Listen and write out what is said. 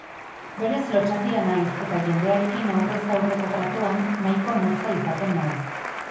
Berez lotsatia naiz eta jendearekin aurrez aurreko tratuan nahiko motza izaten naiz.